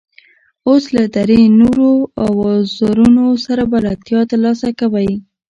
اوس له درې نورو اوزارونو سره بلدیتیا ترلاسه کوئ.